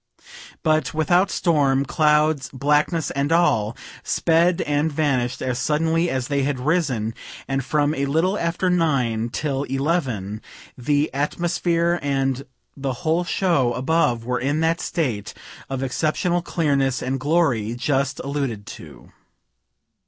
But without storm, clouds, blackness and all, sped and vanish'd as suddenly as they had risen; and from a little after 9 till 11 the atmosphere and the whole show above were in that state of exceptional clearness and glory just alluded to.